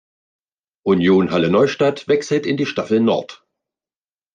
Union Halle-Neustadt wechselt in die Staffel Nord.